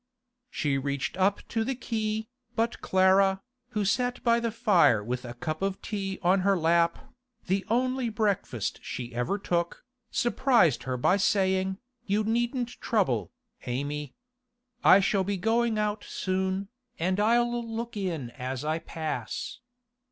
She reached up to the key, but Clara, who sat by the fire with a cup of tea on her lap, the only breakfast she ever took, surprised her by saying, 'You needn't trouble, Amy. I shall be going out soon, and I'll look in as I pass.